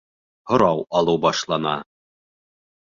Һорау алыу башлана.